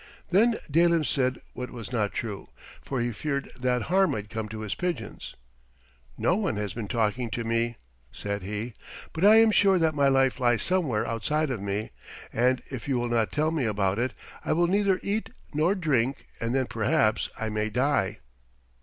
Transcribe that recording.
Then Dalim said what was not true, for he feared that harm might come to his pigeons. "No one has been talking to me," said he, "but I am sure that my life lies somewhere outside of me, and if you will not tell me about it I will neither eat nor drink, and then perhaps I may die."